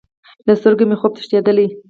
له سترګو مې خوب تښتیدلی